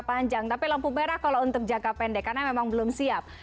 panjang tapi lampu merah kalau untuk jangka pendek karena memang belum siap